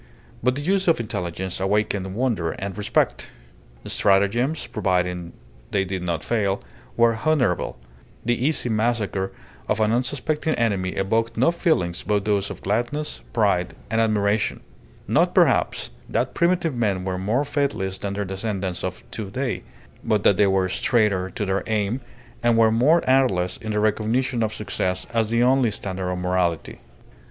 But the use of intelligence awakened wonder and respect. Stratagems, providing they did not fail, were honourable; the easy massacre of an unsuspecting enemy evoked no feelings but those of gladness, pride, and admiration. Not perhaps that primitive men were more faithless than their descendants of to day, but that they went straighter to their aim, and were more artless in their recognition of success as the only standard of morality.